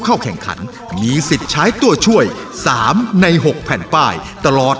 เข้าแข่งขันมีสิทธิ์ใช้ตัวช่วย๓ใน๖แผ่นป้ายตลอด